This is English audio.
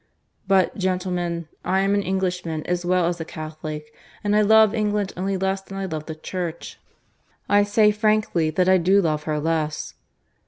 But, gentlemen, I am an Englishman as well as a Catholic, and I love England only less than I love the Church. I say frankly that I do love her less.